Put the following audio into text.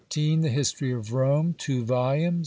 "The History of Rome." Two volumes.